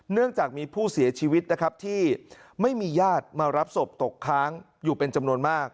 เนื่องจากมีผู้เสียชีวิตนะครับที่ไม่มีญาติมารับศพตกค้างอยู่เป็นจำนวนมาก